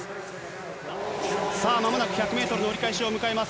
さあ、まもなく１００メートル折り返しを迎えます。